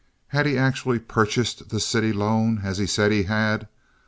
Had he actually purchased this city loan as he said he had?